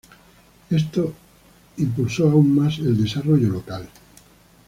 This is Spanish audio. Esto impulsó aún más el desarrollo local.